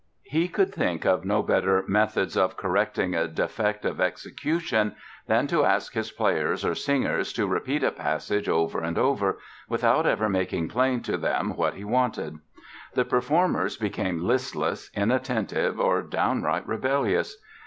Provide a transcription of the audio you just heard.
He could think of no better methods of correcting a defect of execution than to ask his players or singers to repeat a passage over and over, without ever making plain to them what he wanted. The performers became listless, inattentive or downright rebellious.